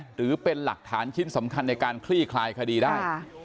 หรือเป็นหลักฐานชิ้นสำคัญในการคลี่คลายคดีได้